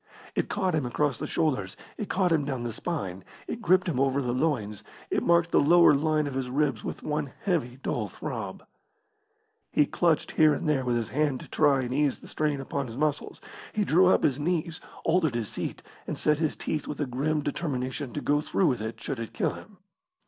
It caught him across the shoulders, it caught him down the spine, it gripped him over the loins, it marked the lower line of his ribs with one heavy, dull throb. He clutched here and there with his hand to try and ease the strain upon his muscles. He drew up his knees, altered his seat, and set his teeth with a grim determination to go through with it should it kill him.